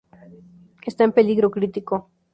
Está en peligro crítico.